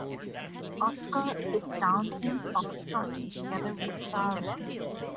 Oscar is dancing foxtrot together with Clara.